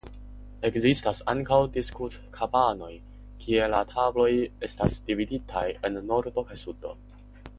Ekzistas ankaŭ diskutkabanoj kie la tabloj estas dividitaj en nordo kaj sudo.